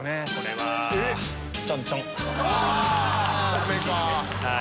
ダメか。